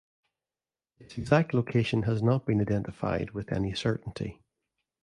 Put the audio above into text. Its exact location has not been identified with any certainty.